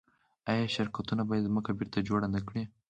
آیا شرکتونه باید ځمکه بیرته جوړه نکړي؟